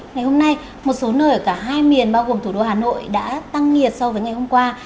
ngày hôm nay một số nơi ở cả hai miền bao gồm thủ đô hà nội đã tăng nhiệt so với ngày hôm qua